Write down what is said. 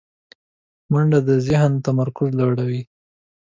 منډه د ذهن تمرکز لوړوي